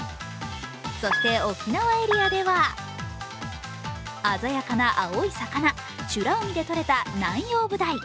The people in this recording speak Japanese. そして沖縄エリアでは鮮やかな青い魚美ら海でとれたナンヨウブダイ。